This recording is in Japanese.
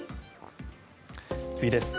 次です。